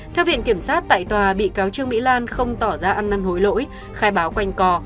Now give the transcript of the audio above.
theo viện kiểm sát tại tòa bị cáo trương mỹ lan không tỏ ra ăn năn hối lỗi khai báo quanh co